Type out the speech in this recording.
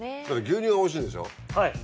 牛乳がおいしいんでしょ？